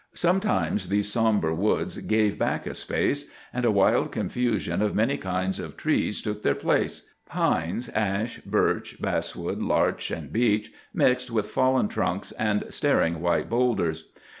Sometimes these sombre woods gave back a space, and a wild confusion of many kinds of trees took their place,—pines, ash, birch, basswood, larch, and beech, mixed with fallen trunks and staring white bowlders.